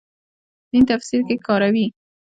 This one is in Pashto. دین تفسیر کې کاروي.